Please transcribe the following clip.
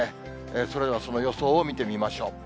それではその予想を見てみましょう。